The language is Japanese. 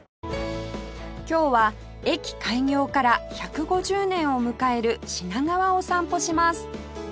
今日は駅開業から１５０年を迎える品川を散歩します